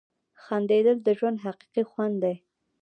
• خندېدل د ژوند حقیقي خوند دی.